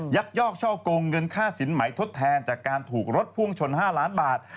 ยักยอกช่อกงเงินค่าสินไหมทดแทนจากการถูกรถพ่วงชน๕ล้านบาท